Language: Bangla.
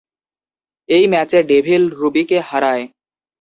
এই ম্যাচে ডেভিল রুবি কে হারায়।